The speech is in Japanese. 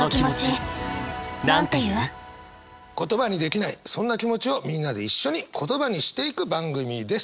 言葉にできないそんな気持ちをみんなで一緒に言葉にしていく番組です。